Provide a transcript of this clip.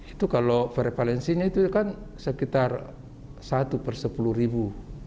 itu kalau prevalensinya itu kan sekitar satu per sepuluh ribu